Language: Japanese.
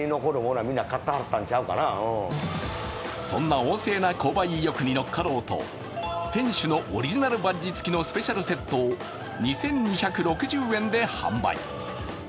そんな旺盛な購買意欲に乗っかろうと店主のオリジナルバッジ付きのスペシャルセットを２２６０円で販売。